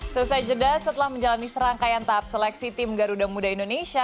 selesai jeda setelah menjalani serangkaian tahap seleksi tim garuda muda indonesia